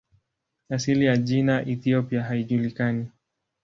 Asili ya jina "Ethiopia" haijulikani.